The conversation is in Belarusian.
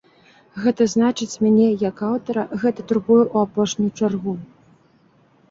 Гэта значыць, мяне, як аўтара, гэта турбуе ў апошнюю чаргу.